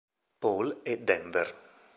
Paul e Denver.